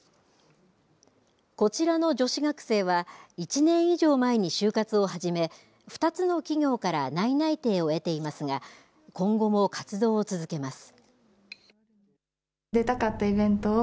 こちらの女子学生は１年以上前に就活を始め２つの企業から内々定を得ていますが今後も活動を続けます。